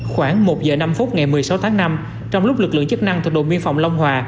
khoảng một giờ năm phút ngày một mươi sáu tháng năm trong lúc lực lượng chức năng thuộc đồn biên phòng long hòa